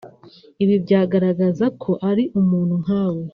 ibi byagaragazaga ko ari umuntu nkatwe